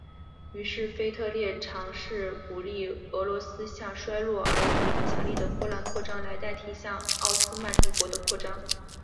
于是腓特烈尝试鼓励俄罗斯向衰弱而无影响力的波兰扩张来代替向奥斯曼帝国的扩张。